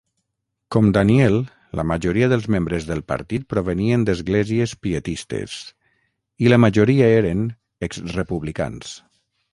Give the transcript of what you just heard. Com Daniel, la majoria dels membres del partit provenien d'esglésies pietistes, i la majoria eren exrepublicans.